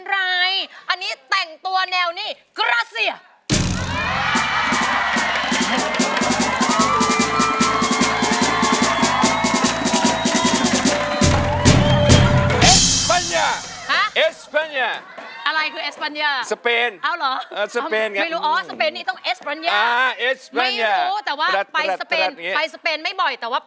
ร้องได้ให้ร้าน